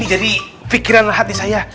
ini jadi pikiran hati saya